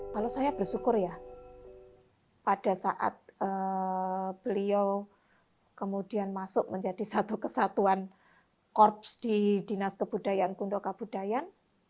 kalau saya bersyukur ya pada saat beliau kemudian masuk menjadi satu kesatuan korps di dinas kebudayaan kundokabudayaan